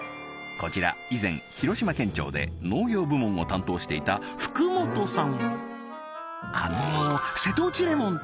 こちら以前広島県庁で農業部門を担当していた福本さん